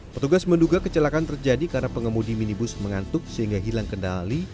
petugas menduga kecelakaan terjadi karena pengemudi minibus mengantuk sehingga hilang kendali